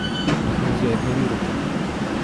Их нельзя игнорировать.